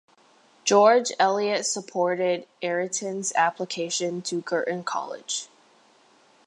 George Eliot supported Ayrton's application to Girton College.